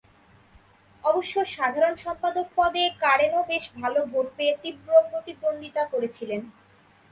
অবশ্য সাধারণ সম্পাদক পদে কারেনও বেশ ভালো ভোট পেয়ে তীব্র প্রতিদ্বন্দ্বিতা করেছিলেন।